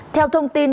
theo thông tin